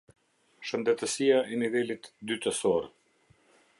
Shëndetësia e nivelit dytësor.